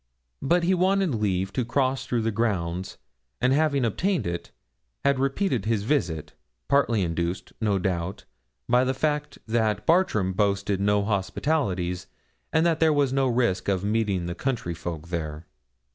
But he wanted leave to cross through the grounds, and having obtained it, had repeated his visit, partly induced, no doubt, by the fact that Bartram boasted no hospitalities, and that there was no risk of meeting the county folk there.